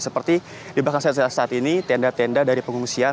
seperti di bahkan saat ini tenda tenda dari pengungsian